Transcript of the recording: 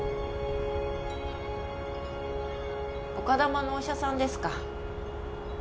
丘珠のお医者さんですか？